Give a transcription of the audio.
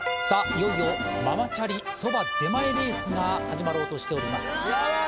いよいよママチャリそば出前レースが始まろうとしております